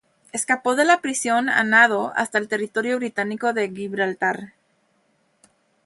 Escapó de la prisión a nado hasta el territorio británico de Gibraltar.